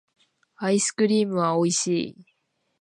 アイスクリームはおいしい